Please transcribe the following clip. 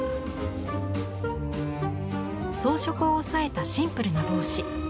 装飾を抑えたシンプルな帽子。